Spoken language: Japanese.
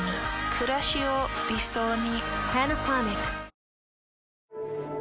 くらしを理想に。